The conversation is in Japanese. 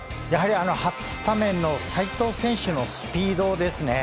初スタメンの齊藤選手のスピードですね。